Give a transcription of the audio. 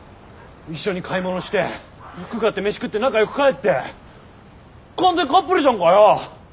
一緒に買い物して服買って飯食って仲よく帰って完全カップルじゃんかよ！